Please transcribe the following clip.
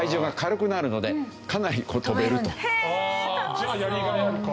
じゃあやりがいあるか。